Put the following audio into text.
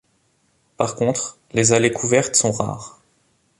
Par contre, les allées couvertes sont rares.